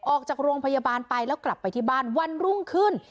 ออกจากโรงพยาบาลไปแล้วกลับไปที่บ้านวันรุ่งขึ้น